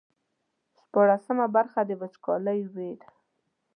شپاړسمه برخه د وچکالۍ ویر.